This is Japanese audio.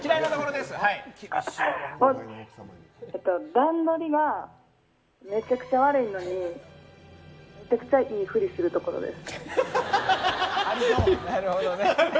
段取りがめちゃくちゃ悪いのにめちゃくちゃいいふりするところです。